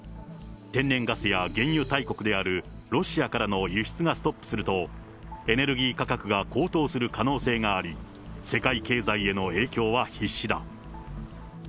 天然ガスや原油大国であるロシアからの輸出がストップすると、エネルギー価格が高騰する可能性があり、世界経済への影響は必至だ。